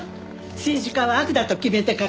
政治家は悪だと決めてかかっている。